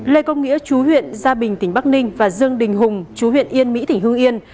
lê công nghĩa chú huyện gia bình tỉnh bắc ninh và dương đình hùng chú huyện yên mỹ tỉnh hương yên